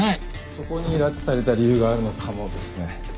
そこに拉致された理由があるのかもですね。